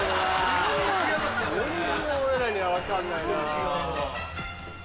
全然俺らには分かんないなぁ。